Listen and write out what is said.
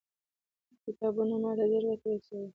کتابونه ما ته ډېره ګټه رسوي.